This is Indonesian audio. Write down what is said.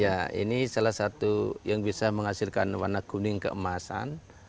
ya ini salah satu yang bisa menghasilkan warna kuning keemasan